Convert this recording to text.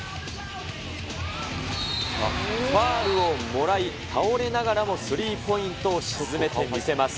ファウルをもらい、倒れながらもスリーポイントを沈めてみせます。